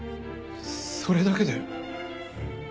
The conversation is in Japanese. それだけで。